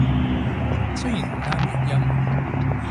雖然唔啱粵音